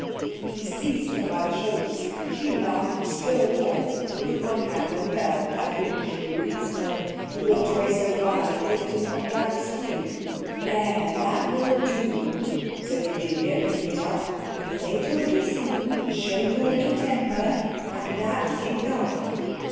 He seized her by the shoulders. She laughed still more, and put one hand on the bell, at which he released her. He walked away so violently that he knocked down a screen. 'There, that will do,' said Eugenia, picking it up. 'You've made your little scene, and shown your little temper, and that's enough.